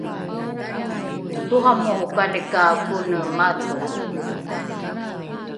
toramorokali ka kone madho